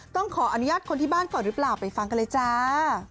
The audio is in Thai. ต้องขออนุญาตคนที่บ้านก่อนหรือเปล่าไปฟังกันเลยจ้า